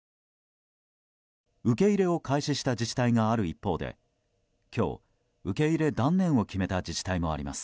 受け入れを開始した自治体がある一方で今日、受け入れ断念を決めた自治体もあります。